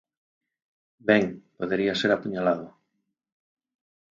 Ben, podería ser apuñalado.